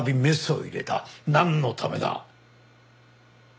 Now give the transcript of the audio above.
なんのためだ？